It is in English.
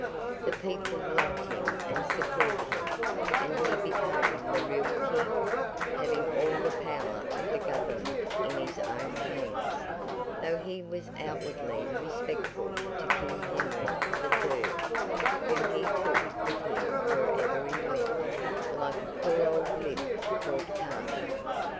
The people loved him and supported him, and he became the real King; having all the power of the government in his own hands, though he was outwardly respectful to King Henry the Third, whom he took with him wherever he went, like a poor old limp court card.